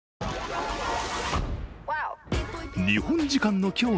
日本時間の今日